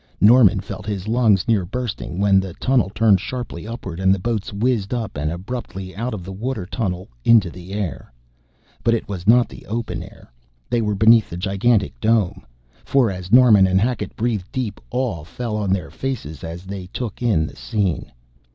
Norman felt his lungs near bursting when the tunnel turned sharply upward and the boats whizzed up and abruptly out of the water tunnel into air! But it was not the open air again. They were beneath the gigantic dome! For as Norman and Hackett breathed deep, awe fell on their faces as they took in the scene.